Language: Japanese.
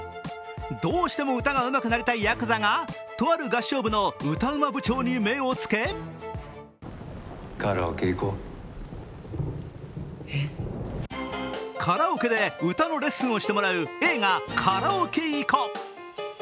どうしても歌がうまくなりたいヤクザがとある合唱部の歌うま部長に目をつけカラオケで歌のレッスンをしてもらう映画「カラオケ行こ！」。